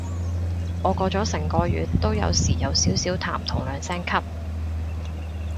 我過咗成個月都有時有少少痰同兩聲咳